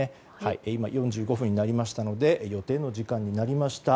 今、４５分になりましたので予定の時間になりました。